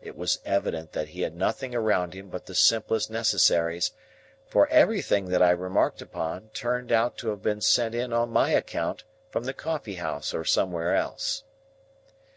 It was evident that he had nothing around him but the simplest necessaries, for everything that I remarked upon turned out to have been sent in on my account from the coffee house or somewhere else.